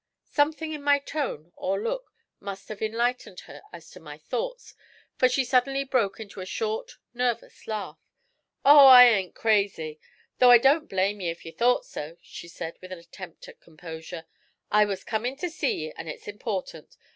Something in my tone or look must have enlightened her as to my thoughts, for she suddenly broke into a short, nervous laugh. 'Oh, I ain't crazy! Though I don't blame ye if ye thought so,' she said, with an attempt at composure. 'I was comin' to see ye, and it's important.